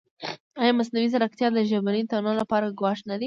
ایا مصنوعي ځیرکتیا د ژبني تنوع لپاره ګواښ نه دی؟